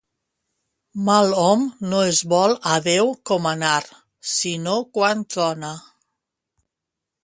Mal hom no es vol a Déu comanar, sinó quan trona.